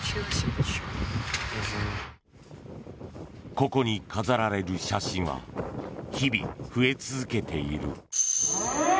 ここに飾られる写真は日々、増え続けている。